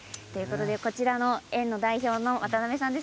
こちらの店の代表の渡部さんです。